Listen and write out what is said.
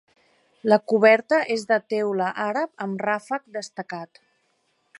La coberta és de teula àrab amb ràfec destacat.